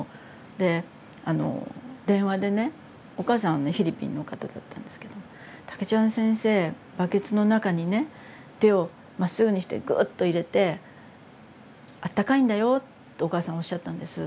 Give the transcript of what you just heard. であの電話でねお母さんはねフィリピンの方だったんですけど「竹ちゃん先生バケツの中にね手をまっすぐにしてグッと入れてあったかいんだよ」ってお母さんおっしゃったんです。